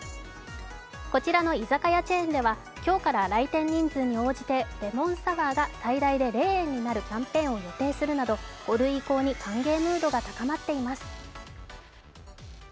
こちらの居酒屋チェーンでは今日から来店人数に応じてレモンサワーが最大で０円になるキャンペーンを予定するなど、５類移行に歓迎ムードが高まっています。